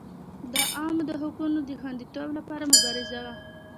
د عوامو د حقوقو د خوندیتوب لپاره مبارزه وه.